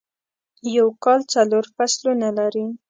یو کال څلور فصلونه لري.